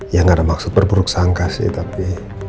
ya gak ada maksud berburuk sangka sih tapi